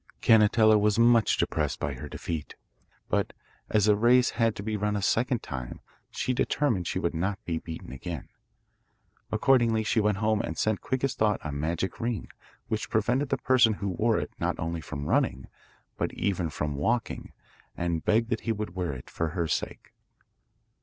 Canetella was much depressed by her defeat; but, as the race had to be run a second time, she determined she would not be beaten again. Accordingly she went home and sent Quick as Thought a magic ring, which prevented the person who wore it, not only from running, but even from walking, and begged that he would wear it for her sake.